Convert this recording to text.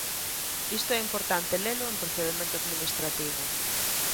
Isto é importante lelo en procedemento administrativo.